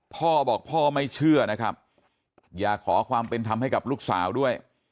พ่อบอกพ่อไม่เชื่อนะครับอยากขอความเป็นธรรมให้กับลูกสาวด้วย